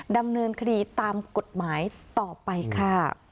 ดำเนินคดีตามกฎหมายต่อไปค่ะ